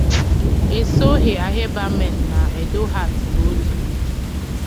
Eseohe Arhebamen na Edoheart bụ otu.